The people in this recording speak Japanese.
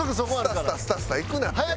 スタスタスタスタ行くなって。